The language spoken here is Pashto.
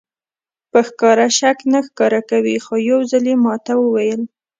په ښکاره شک نه ښکاره کوي خو یو ځل یې ماته وویل.